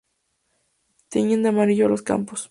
Tiñen de amarillo los campos.